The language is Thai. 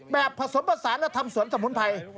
แบบผสมภาษาและทำสวนสมุนไพร